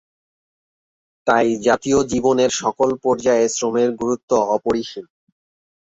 তাই জাতীয় জীবনের সকল পর্যায়ে শ্রমের গুরুত্ব অপরিসীম।